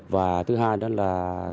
và thứ hai đó là